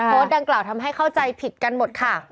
ดังกล่าวทำให้เข้าใจผิดกันหมดค่ะ